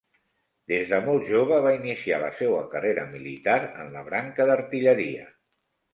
Des de molt jove va iniciar la seua carrera militar en la branca d'artilleria.